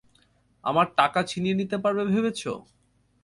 আমার টাকা ছিনিয়ে নিতে পারবে ভেবেছ?